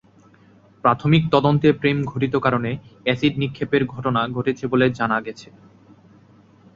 প্রাথমিক তদন্তে প্রেমঘটিত কারণে অ্যাসিড নিক্ষেপের ঘটনা ঘটেছে বলে জানা গেছে।